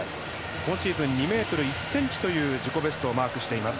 今シーズン、２ｍ１ｃｍという自己ベストをマークしています。